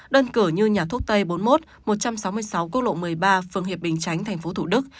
đơn cử như nhà thuốc tây bốn mươi một một trăm sáu mươi sáu quốc lộ một mươi ba phường hiệp bình chánh tp thủ đức